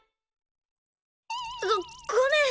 ごっごめん！